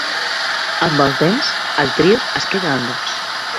Amb el temps, el trio es queda en dos.